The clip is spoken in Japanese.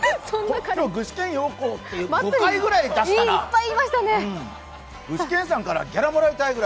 今日、具志堅用高って５回ぐらい出したな。